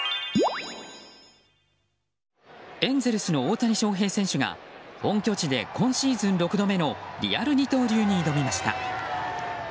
エンゼルスの大谷翔平選手が本拠地で今シーズン６度目のリアル二刀流に挑みました。